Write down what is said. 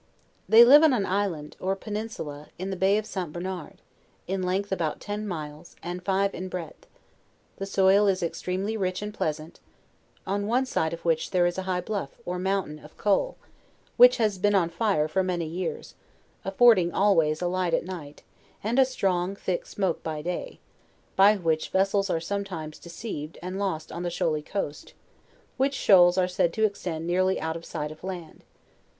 They live on an island, or peninsula, in the bay of St. Bernard, in length about ten miles, and five in breadth; the soil is extremely rich and pleasant; on one side of which there is a high bluff, or mountain of coal, which has been on fire for many years, affording always a light at night, and a strong thick smoke by day, by which vessels are sometimes deceived and lost on the shoaly coast, which shoals are said to extend nearly out of sight of land.